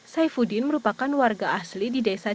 saifuddin merupakan warga asli di desa